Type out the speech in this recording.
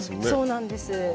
そうなんです。